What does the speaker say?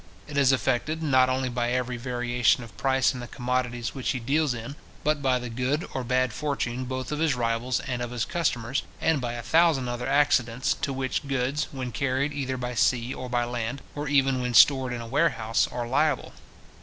It is affected, not only by every variation of price in the commodities which he deals in, but by the good or bad fortune both of his rivals and of his customers, and by a thousand other accidents, to which goods, when carried either by sea or by land, or even when stored in a warehouse, are liable.